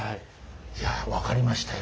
いや分かりましたよ。